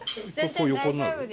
これ横になる？